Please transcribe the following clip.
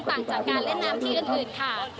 ต่างจากการเล่นน้ำที่อื่นค่ะ